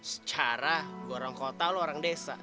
secara gue orang kota lo orang desa